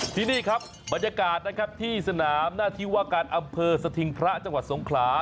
ที่นี่ครับบรรยากาศนะครับที่สนามหน้าที่ว่าการอำเภอสถิงพระจังหวัดสงขลา